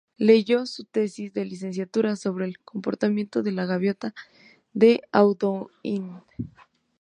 Leyó su tesis de licenciatura sobre el comportamiento de la Gaviota de Audouin.